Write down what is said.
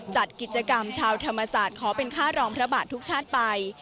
จัดกิจกรรมชาวธรรมศาสตร์ขอเป็นค่ารองพระบาททุกชาติไป